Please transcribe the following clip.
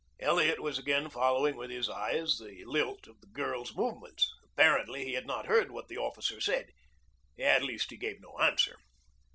Elliot was again following with his eyes the lilt of the girl's movements. Apparently he had not heard what the officer said. At least he gave no answer.